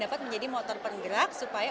dapat menjadi motor penggerak supaya